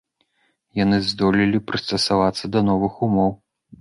Яны здолелі прыстасавацца да новых умоў.